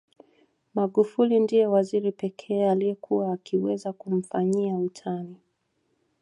Magufuli ndiye waziri pekee aliyekuwa akiweza kumfanyia utani